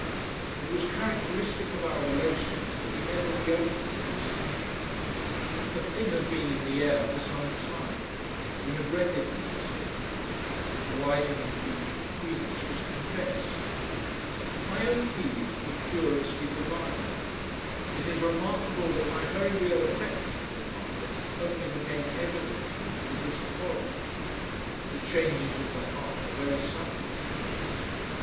It was characteristic of our relations that we never reopened the discussion. The thing had been in the air for some time; we had recognised it now; the widening breach between us was confessed. My own feelings were curiously divided. It is remarkable that my very real affection for Margaret only became evident to me with this quarrel. The changes of the heart are very subtle changes.